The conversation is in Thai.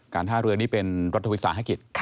การท่าเรือนนี้เป็นรัฐวิทยาภาคิต